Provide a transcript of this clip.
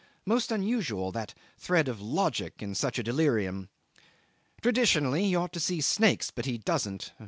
Most unusual that thread of logic in such a delirium. Traditionally he ought to see snakes, but he doesn't.